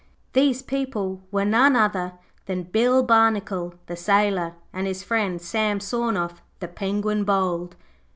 These people were none other than Bill Barnacle, the sailor, and his friend, Sam Sawnoff, the penguin bold.